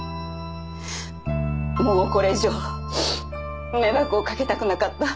もうこれ以上迷惑をかけたくなかった。